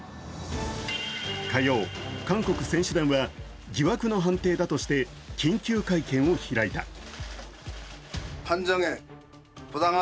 火曜、韓国選手団は疑惑の判定だとして緊急会見を開いた。